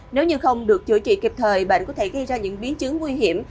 nếu như không được chữa trị kịp thời bệnh có thể gây ra những biến chứng nguy hiểm